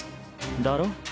だろ？